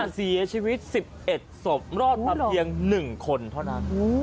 เสียชีวิต๑๑ศพรอดมาเพียง๑คนเท่านั้น